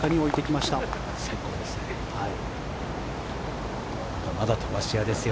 まだまだ飛ばし屋ですよ。